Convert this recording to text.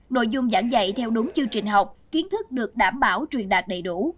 nội dung giảng dạy theo đúng chương trình học kiến thức được đảm bảo truyền đạt đầy đủ